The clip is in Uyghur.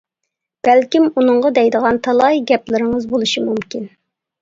بەلكىم ئۇنىڭغا دەيدىغان تالاي گەپلىرىڭىز بولۇشى مۇمكىن.